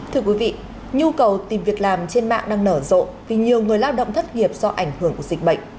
thưa quý vị nhu cầu tìm việc làm trên mạng đang nở rộ vì nhiều người lao động thất nghiệp do ảnh hưởng của dịch bệnh